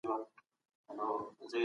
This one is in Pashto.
د نکاح اساسي اهداف پيژندل او يادداشتول